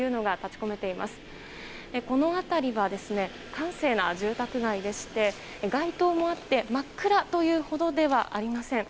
この辺りは閑静な住宅街でして街灯もあって真っ暗というほどではありません。